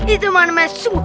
itu mana mesum